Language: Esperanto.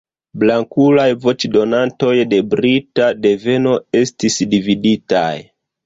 Blankulaj voĉdonantoj de brita deveno estis dividitaj.